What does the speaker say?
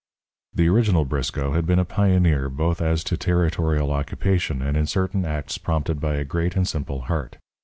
The original Briscoe had been a pioneer both as to territorial occupation and in certain acts prompted by a great and simple heart.